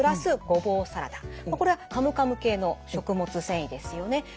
これはカムカム系の食物繊維ですよね。